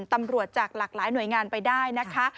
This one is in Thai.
ตำรวจจากหลากหลายหน่วยงานไปได้นะคะ